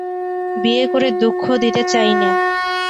বিয়ে করে দুঃখ দিতে চাই নে।